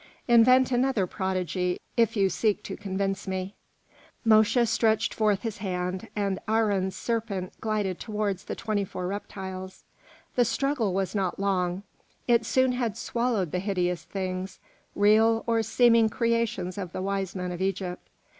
Invent another prodigy if you seek to convince me." Mosche stretched forth his hand, and Aharon's serpent glided towards the twenty four reptiles. The struggle was not long; it soon had swallowed the hideous things, real or seeming creations of the wise men of Egypt.